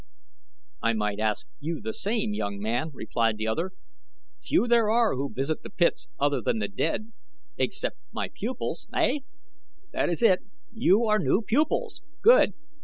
"I might ask you the same, young man," replied the other. "Few there are who visit the pits other than the dead, except my pupils ey! That is it you are new pupils! Good!